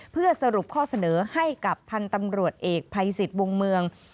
เพื่อสรุปข้อเสนอให้กับพันธุ์ตำรวจเอกภัยสิทธิ์วงเมือง